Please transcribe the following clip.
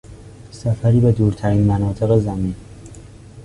سفری به دورترین مناطق زمین